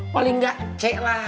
paling gak c lah